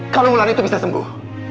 kalau ular itu bisa sembuh